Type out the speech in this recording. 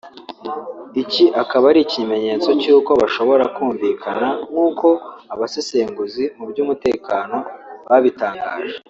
Iki akaba ari ikimenyetso cy’uko bashobora kumvikana nk’uko abasesenguzi mu by’umutekano babitangaje